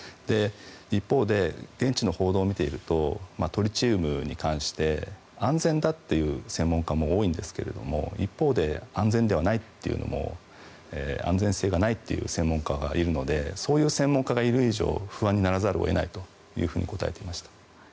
一方で、現地の報道を見ているとトリチウムに関して安全だっていう専門家も多いんですけれど一方で安全ではないというのも安全性がないという専門家がいるのでそういう専門家がいる以上不安にならざるを得ないと答えていました。